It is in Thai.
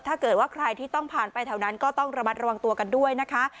ถ้าเกิดว่าใครที่ต้องผ่านไปแถวนั้นก็ต้องระมัดระวังตัวกันด้วยนะคะ